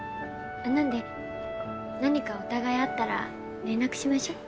なんで何かお互いあったら連絡しましょう。